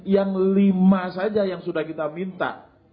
yang lima saja yang sudah kita minta